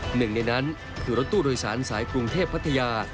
หนึ่งในนั้นคือรถตู้โดยสารสายกรุงเทพพัทยา